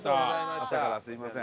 朝からすみません。